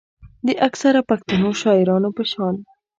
د اکثره پښتنو شاعرانو پۀ شان